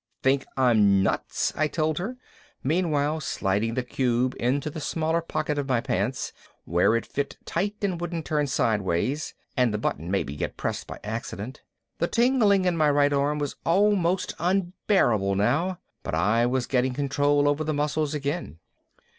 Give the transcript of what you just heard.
"Think I'm nuts?" I told her, meanwhile sliding the cube into the smaller pocket of my pants, where it fit tight and wouldn't turn sideways and the button maybe get pressed by accident. The tingling in my right arm was almost unbearable now, but I was getting control over the muscles again.